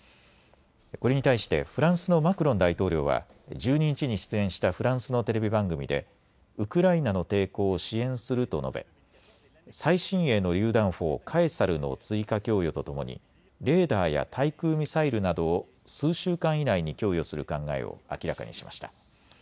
これに対してフランスのマクロン大統領は１２日に出演したフランスのテレビ番組でウクライナの抵抗を支援すると述べ最新鋭のりゅう弾砲、カエサルの追加供与とともにレーダーや対空ミサイルなどを数週間以内に供与する考えを明らかにしました。